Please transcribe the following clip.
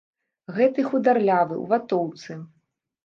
Гэты хударлявы ў ватоўцы.